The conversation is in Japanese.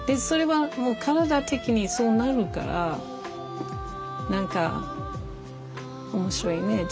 それはもう体的にそうなるから何か面白いね。